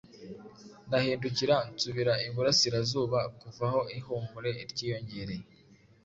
Ndahindukira nsubira iburasirazuba, Kuva aho ihumure ryiyongereye;